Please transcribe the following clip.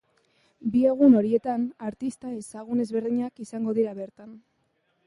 Bi egun horietan, artista ezagun ezberdinak izango dira bertan.